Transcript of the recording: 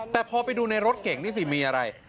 แต่พอไปดูในรถเก่งนี่สิมีอะไร